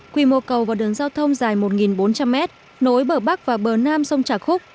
quy mô cầu và đường giao thông dài một bốn trăm linh mét nối bờ bắc và bờ nam sông trà khúc